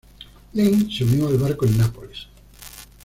Laing se unió al barco en Nápoles.